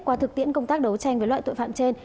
qua thực tiễn công tác đấu tranh với loại tội phạm trên